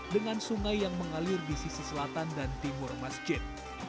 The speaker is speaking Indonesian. dengan sungai yang mengalir di sisi selatan dan timur masjid